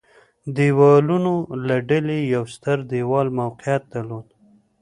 دېوالونو له ډلې یو ستر دېوال موقعیت درلود.